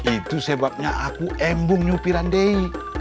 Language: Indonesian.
itu sebabnya aku embung nyupiran day